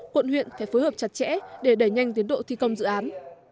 quận huyện phải phối hợp chặt chẽ để đẩy nhanh tiến độ thi công dự án